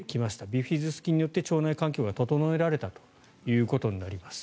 ビフィズス菌によって腸内環境が整えられたということになります。